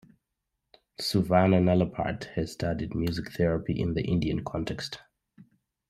Suvarna Nalapat has studied music therapy in the Indian context.